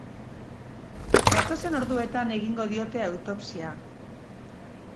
Datozen orduetan egingo diote autopsia.